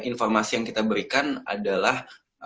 informasi yang kita berikan adalah